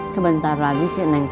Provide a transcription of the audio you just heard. sebentar lagi si neng